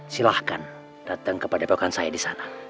silahkan datang kepada rekan saya di sana